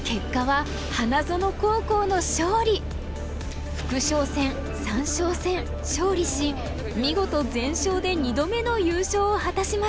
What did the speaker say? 結果は副将戦三将戦勝利し見事全勝で２度目の優勝を果たしました。